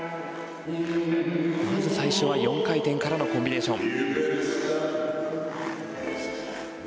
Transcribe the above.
まず最初は４回転からのコンビネーション。